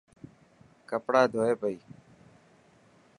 ڪپڙا ڌوئي پئي.